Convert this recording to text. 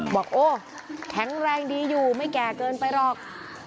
บอกโอ้แข็งแรงดีอยู่ไม่แก่เกินไปหรอก